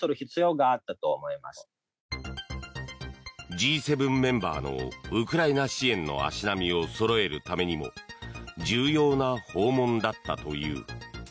Ｇ７メンバーのウクライナ支援の足並みをそろえるためにも重要な訪問だったという。